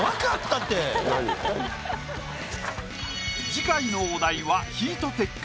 次回のお題は「ヒートテック」。